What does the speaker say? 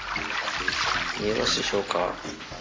見えますでしょうか。